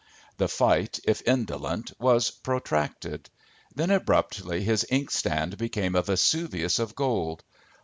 The fight, if indolent, was protracted. Then, abruptly, his inkstand became a Vesuvius of gold.